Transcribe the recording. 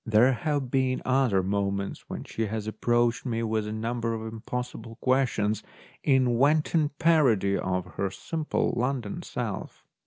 There have been other moments when she has approached me with a number of impossible questions in wanton parody of her simple London self.